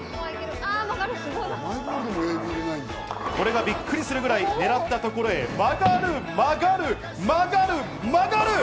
これが、びっくりするくらい狙ったところに曲がる、曲がる、曲がる！